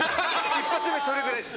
一発目、それぐらいです。